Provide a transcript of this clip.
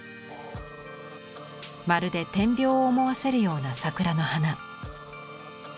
まるで点描を思わせるような桜の花。